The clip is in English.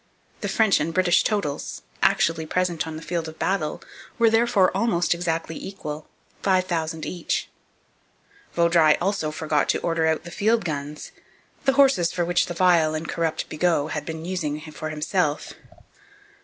The French and British totals, actually present on the field of battle, were, therefore, almost exactly equal, 5,000 each. Vaudreuil also forgot to order out the field guns, the horses for which the vile and corrupt Bigot had been using for himself.